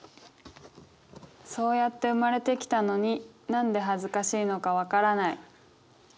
「そうやって生まれてきたのになんで恥ずかしいのかわからない」。